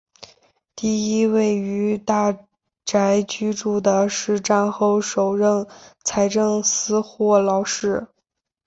第一位于大宅居住的是战后首任财政司霍劳士。